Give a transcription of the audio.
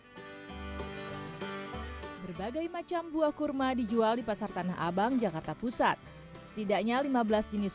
hai berbagai macam buah kurma dijual di pasar tanah abang jakarta pusat setidaknya lima belas jenis